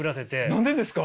何でですか？